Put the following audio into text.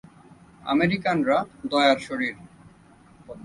আমেরিকানরা দয়ার শরীর।